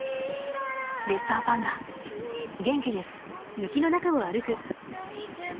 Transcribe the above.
レッサーパンダ元気です。草々。